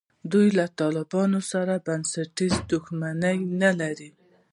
دوی له طالبانو سره بنسټیزه دښمني نه لري.